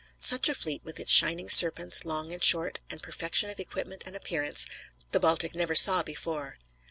Such a fleet, with its shining Serpents, long and short, and perfection of equipment and appearance, the Baltic never saw before.